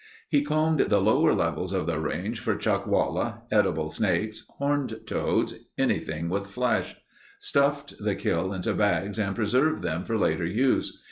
He combed the lower levels of the range for chuckwalla, edible snakes, horned toads—anything with flesh; stuffed the kill into bags and preserved them for later use.